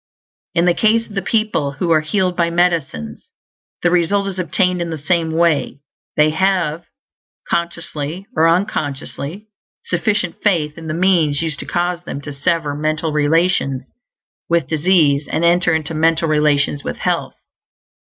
In the case of the people who are healed by medicines, the result is obtained in the same way. They have, consciously or unconsciously, sufficient faith in the means used to cause them to sever mental relations with disease and enter into mental relations with health.